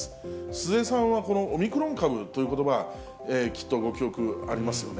鈴江さんは、このオミクロン株ということば、きっとご記憶ありますよね。